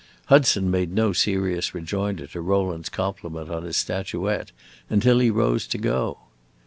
Hudson made no serious rejoinder to Rowland's compliment on his statuette until he rose to go.